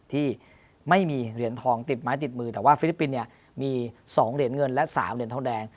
ที่ไม่มีเหรียญทองติดไม้ติดมือแต่ว่าฟิลิปปินส์เนี่ยมี๒เหรียญเงินและ๓เหรียญทองแดง